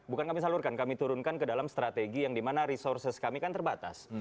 bukan kami salurkan kami turunkan ke dalam strategi yang dimana resources kami kan terbatas